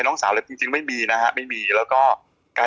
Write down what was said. น้องสาวอะไรจริงไม่มีนะฮะ